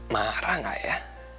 marah gak ya